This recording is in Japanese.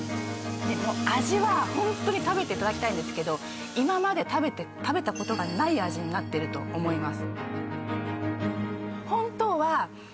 味はホントに食べていただきたいんですけど今まで食べたことがない味になってると思います